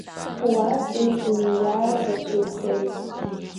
Фуаҭ Беи инеиааи рацәаҩхеит.